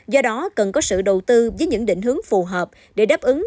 do đó cần có sự đầu tư với những định hướng phù hợp để đáp ứng